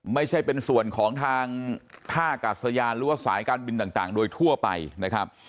ไม่ใช่เป็นส่วนของทางท่ากาศยานหรือว่าสายการบินต่างโดยทั่วไปนะครับ